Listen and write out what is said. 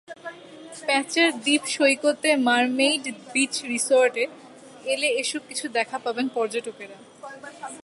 প্যাঁচার দ্বীপ সৈকতের মারমেইড বিচ রিসোর্টে এলে এসব কিছুর দেখা পাবেন পর্যটকেরা।